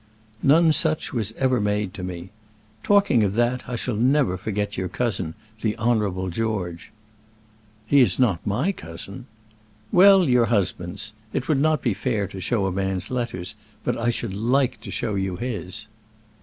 "None such was ever made to me. Talking of that, I shall never forget your cousin, the Honourable George." "He is not my cousin." "Well, your husband's. It would not be fair to show a man's letters; but I should like to show you his."